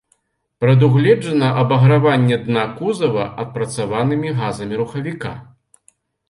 Прадугледжана абаграванне дна кузава адпрацаванымі газамі рухавіка.